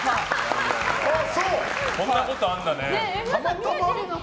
そんなことあるんだね。